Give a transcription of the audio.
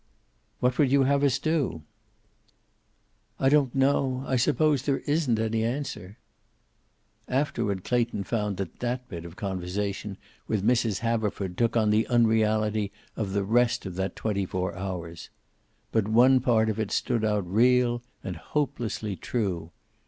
"What would you have us do?" "I don't know. I suppose there isn't any answer." Afterward, Clayton found that that bit of conversation with Mrs. Haverford took on the unreality of the rest of that twenty four hours. But one part of it stood out real and hopelessly true.